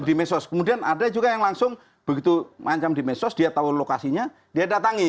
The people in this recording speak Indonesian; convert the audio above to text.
di medsos kemudian ada juga yang langsung begitu mengancam di medsos dia tahu lokasinya dia datangi